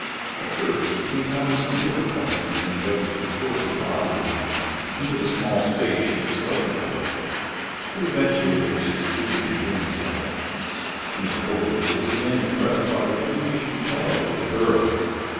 At first they encountered some difficulty when they endeavored to force the body of the man into the small space she had selected for it, but eventually they succeeded in doing so. Smith Oldwick was again impressed by the fiendish brutality of the girl.